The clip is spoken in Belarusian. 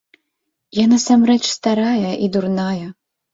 Я насамрэч старая і дурная.